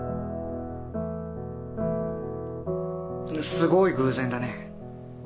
すごい偶然だね。